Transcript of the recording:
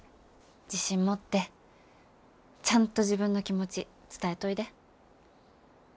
自信持ってちゃんと自分の気持ち伝えといで。